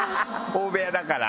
大部屋だから。